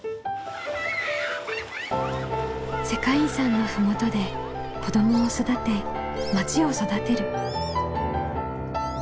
世界遺産の麓で子どもを育てまちを育てる。